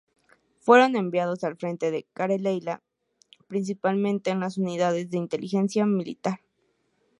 Fueron enviados al frente de Carelia, principalmente a las unidades de inteligencia militar.